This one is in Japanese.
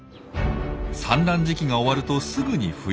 産卵時期が終わるとすぐに冬。